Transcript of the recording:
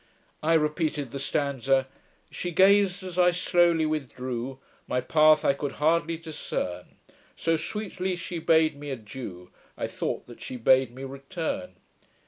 I repeated the stanza, '"She gazed as I slowly withdrew; My path I could hardly discern; So sweetly she bade me adieu, I thought that she bade me return."'